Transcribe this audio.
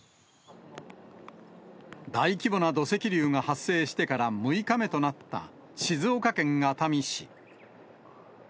大規模な土石流が発生してから６日目となった、静岡県熱海市。